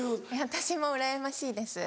私もうらやましいです